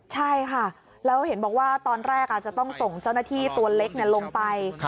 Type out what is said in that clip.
ใช่ค่ะแล้วเห็นบอกว่าตอนแรกอาจจะต้องส่งเจ้าหน้าที่ตัวเล็กลงไป